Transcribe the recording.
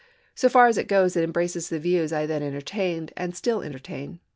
So far as it goes, it embraces the views I then entertained, and still entertain.